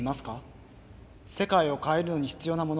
世界を変えるのに必要なもの